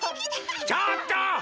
ちょっと！